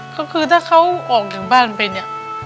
ก็คือถ้าเขาออกถึงบ้านไป